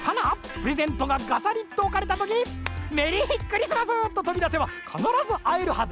プレゼントがガサリッとおかれたときに「メリークリスマス！」ととびだせばかならずあえるはず。